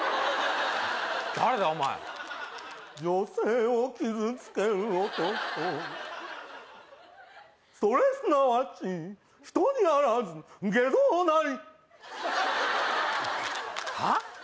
誰だお前女性を傷つける男それすなわち人にあらず外道なりはっ？